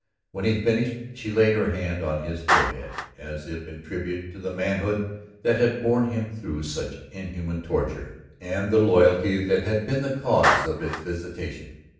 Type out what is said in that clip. When he finished she laid her hand on his forehead, as if in tribute to the manhood that had borne him through such inhuman torture, and the loyalty that had been the cause of its visitation.